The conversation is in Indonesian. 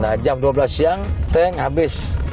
nah jam dua belas siang tank habis